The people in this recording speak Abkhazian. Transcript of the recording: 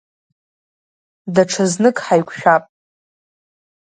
Даҽа знык ҳаиқәшәап.